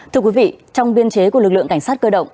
thưa quý vị trong biên chế của lực lượng cảnh sát cơ động